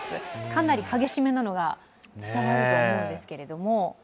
かなり激しめなのが伝わると思うんですけれども。